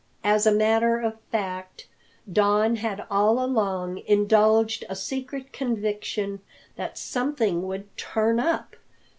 As a matter of fact, Don had all along indulged a secret conviction that "something would turn Up."